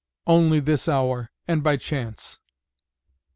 "Only this hour, and by chance."